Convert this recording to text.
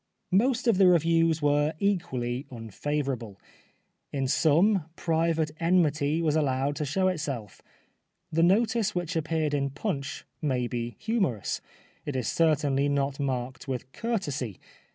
Most of the reviews were equally unfavour able. In some, private enmity was allowed to show itself. The notice which appeared in Punch may be humorous, it is certainly not marked with courtesy.